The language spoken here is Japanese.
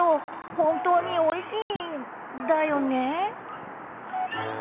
本当においしいんだよね？